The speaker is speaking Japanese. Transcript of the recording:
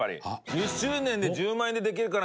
１０周年で『１０万円でできるかな』